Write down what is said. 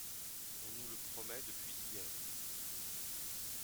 On nous le promet depuis hier